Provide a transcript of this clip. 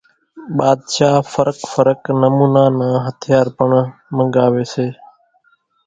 ٻاۮشاھ ڦرق ڦرق نمونا نان ھٿيار پڻ منڳاوي سي